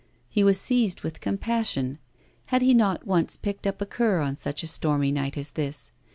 He was seized with compassion. Had he not once picked up a cur on such a stormy night as this?